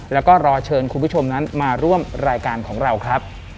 แล้วก็รอเชิญคุณผู้ชมนั้นมาร่วมรายการของเราครับ